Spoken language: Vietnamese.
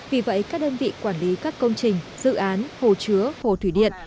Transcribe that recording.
vì vậy các đơn vị quản lý các công trình dự án hồ chứa hồ thủy điện